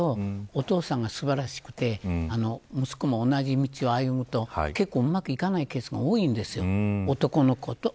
一般論でいうとお父さんが素晴らしくて息子も同じ道を歩むと結構、うまくいかないケースが多いんです。